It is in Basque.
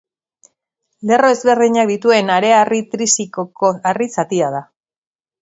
Lerro ezberdinak dituen hareharri trisikoko harri zatia da.